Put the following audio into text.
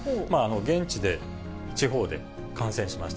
現地で、地方で感染しました。